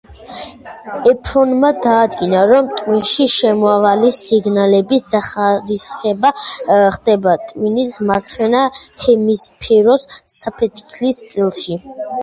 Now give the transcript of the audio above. ეფრონმა დაადგინა, რომ ტვინში შემავალი სიგნალების დახარისხება ხდება ტვინის მარცხენა ჰემისფეროს საფეთქლის წილში.